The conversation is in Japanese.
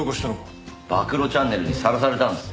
暴露チャンネルにさらされたんです。